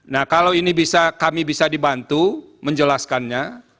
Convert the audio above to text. nah kalau ini bisa kami bisa dibantu menjelaskannya